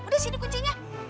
udah sini kuncinya